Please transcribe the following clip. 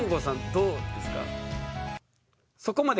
どうですか？